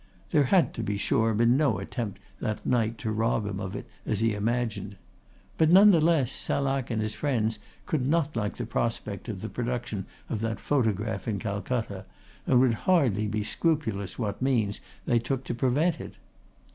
There had, to be sure, been no attempt that night to rob him of it as he imagined. But none the less Salak and his friends could not like the prospect of the production of that photograph in Calcutta, and would hardly be scrupulous what means they took to prevent it.